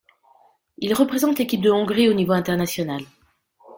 Il représente l'équipe de Hongrie au niveau international.